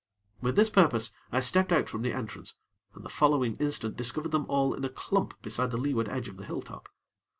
With this purpose, I stepped out from the entrance, and the following instant discovered them all in a clump beside the leeward edge of the hilltop.